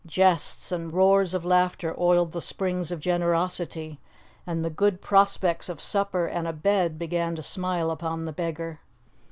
Jests and roars of laughter oiled the springs of generosity, and the good prospects of supper and a bed began to smile upon the beggar.